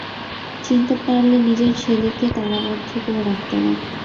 চিনতে পারলে নিজের ছেলেকে তালাবদ্ধ করে রাখতে না।